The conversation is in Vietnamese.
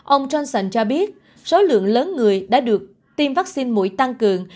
ông johnson cho biết số lượng lớn người đã được tiêm vaccine mũi tăng cường